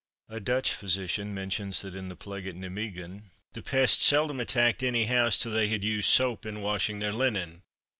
A Dutch physician mentions, that in the plague at Nimeguen, the pest seldom attacked any house till they had used soap in washing their linen.